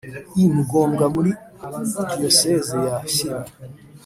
i Mugombwa muri Diyosezi ya shyira